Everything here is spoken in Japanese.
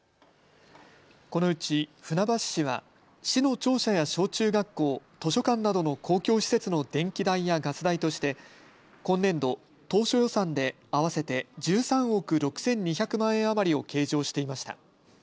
このうち、船橋市は市の庁舎や小中学校、図書館などの公共施設の電気代やガス代として今年度、当初予算で合わせて１３億６２００万円余りを計上していました。